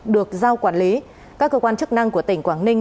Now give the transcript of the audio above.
được giao quản lý các cơ quan chức năng của tỉnh quảng ninh